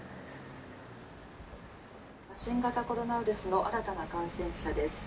「新型コロナウイルスの新たな感染者です。